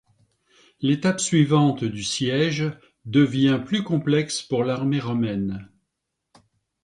L'étape suivante du siège devient plus complexe pour l'armée romaine.